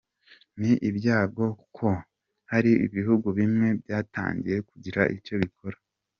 Ni iby’agaciro ko hari ibihugu bimwe byatangiye kugira icyo bikora.